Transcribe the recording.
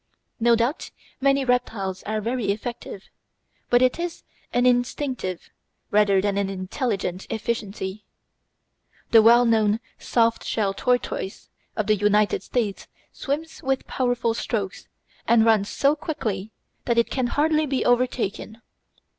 No doubt many reptiles are very effective; but it is an instinctive rather than an intelligent efficiency. The well known "soft shell" tortoise of the United States swims with powerful strokes and runs so quickly that it can hardly be overtaken.